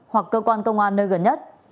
hoặc cơ quan công an nơi gần nhất